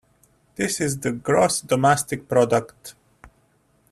This is the gross domestic product.